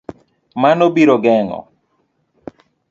Mano biro geng'o